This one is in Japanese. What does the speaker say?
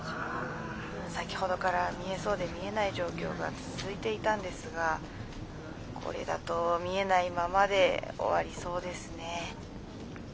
先ほどから見えそうで見えない状況が続いていたんですがこれだと見えないままで終わりそうですね」。